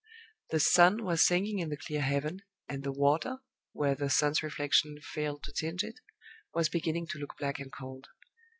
The sun was sinking in the clear heaven, and the water, where the sun's reflection failed to tinge it, was beginning to look black and cold.